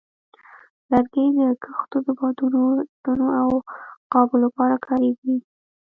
لرګي د کښتو د بادبانو، ستنو، او قابو لپاره کارېږي.